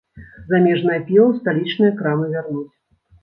Замежнае піва ў сталічныя крамы вярнуць.